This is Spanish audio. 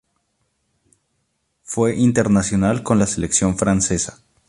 Fue internacional con la selección francesa.